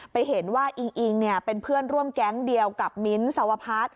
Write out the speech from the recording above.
ไปเห็นว่าอิงอิงเป็นเพื่อนร่วมแก๊งเดียวกับมิ้นท์สวพัฒน์